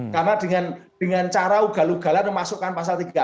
karena dengan cara ugal ugalan memasukkan pasal tiga puluh enam